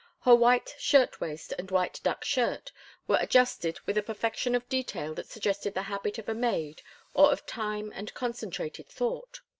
Her white shirt waist and white duck skirt were adjusted with a perfection of detail that suggested the habit of a maid or of time and concentrated thought.